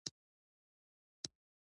موږ هم ور وختلو.